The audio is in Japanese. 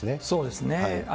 そうですね。